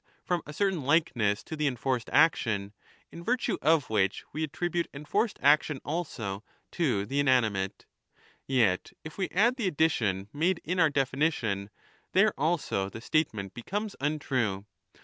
from a certain likeness to the enforced action, in virtue of which we attribute enforced action also 5 to the inanimate. Yet if we add ^ the addition made in our definition, there also the statement becomes untrue.